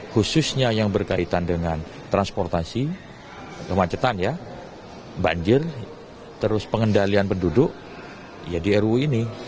khususnya yang berkaitan dengan transportasi kemacetan ya banjir terus pengendalian penduduk ya di ru ini